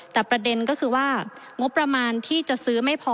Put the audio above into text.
แต่ประเด็นก็คือว่างบประมาณที่จะซื้อไม่พอ